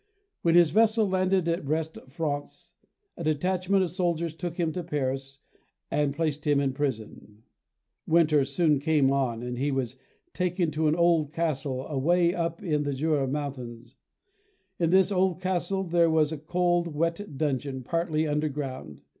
When his vessel landed at Brest, France, a detachment of soldiers took him to Paris and placed him in prison. Winter soon came on and 188 ] UNSUNG HEEOES he was taken to an old castle away up in the Jura Mountains. In this old castle there was a cold, wet dungeon partly under ground.